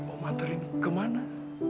om anterin kemana